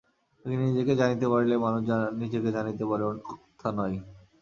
আগে নিজেকে জানিতে পারিলেই মানুষ নিজেকে জানিতে পারে, অন্যথা নয়।